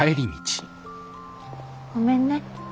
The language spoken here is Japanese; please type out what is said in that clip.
ごめんね。